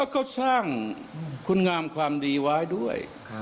ก็สร้างคุณงามความดีไว้ด้วย